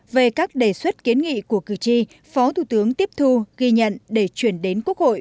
về các đề xuất kiến nghị của cử tri phó thủ tướng tiếp thu ghi nhận để chuyển đến quốc hội